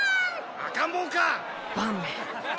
赤ん坊か！